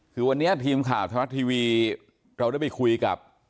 คือวันนี้ทีมข่าวธรรมรัฐทีวีเราได้ไปคุยกับ